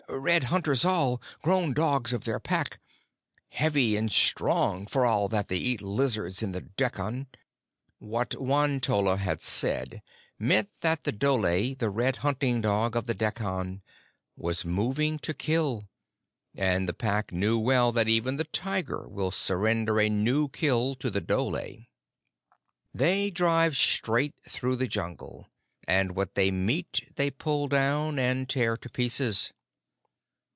Red Hunters all: grown dogs of their Pack, heavy and strong, for all that they eat lizards in the Dekkan." What Won tolla had said meant that the dhole, the red hunting dog of the Dekkan, was moving to kill, and the Pack knew well that even the tiger will surrender a new kill to the dhole. They drive straight through the Jungle, and what they meet they pull down and tear to pieces.